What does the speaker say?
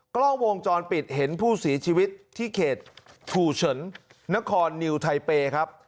กล้องวงจรปิดเห็นผู้เสียชีวิตที่เขตถูเฉินนครนิวไทเปย์ครับ